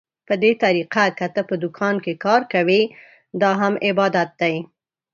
په دې طريقه که ته په دوکان کې کار کوې، دا هم عبادت دى.